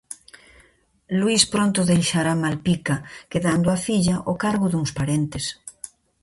Luís pronto deixará Malpica, quedando a filla ó cargo duns parentes.